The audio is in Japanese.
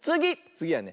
つぎはね